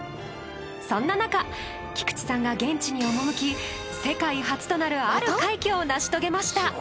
そんな中菊池さんが現地に赴き世界初となるある快挙を成し遂げました。